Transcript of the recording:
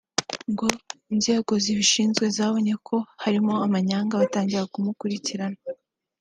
ngo inzego zibishinzwe zabonye ko harimo amanyanga batangira kumukurikirana